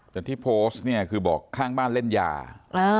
แต่ที่โพสต์เนี่ยคือบอกข้างบ้านเล่นยาอ่า